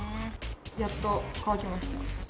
やっと乾きました。